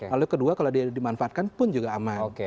lalu kedua kalau dia dimanfaatkan pun juga aman